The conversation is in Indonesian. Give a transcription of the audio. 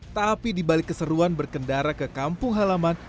tapi dibalik keseruan berkendara ke kampung halaman